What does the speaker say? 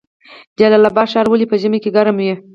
جلال اباد ښار ولې په ژمي کې ګرم وي؟